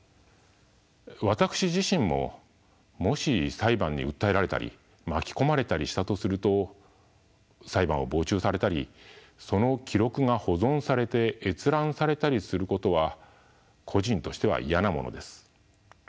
私自身ももし裁判に訴えられたり巻き込まれたりしたとすると裁判を傍聴されたりその記録が保存されて閲覧されたりすることは個人としては嫌なものです。